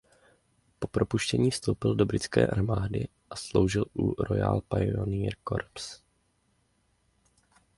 Po propuštění vstoupil do britské armády a sloužil u Royal Pioneer Corps.